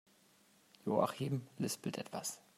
Joachim lispelt etwas.